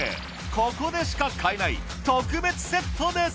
ここでしか買えない特別セットです！